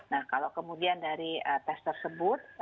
nah kalau kemudian dari tes tersebut